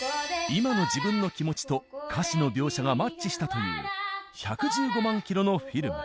今の自分の気持ちと歌詞の描写がマッチしたという『１１５万キロのフィルム』。